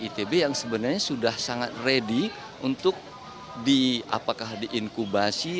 itb yang sebenarnya sudah sangat ready untuk di apakah diinkubasi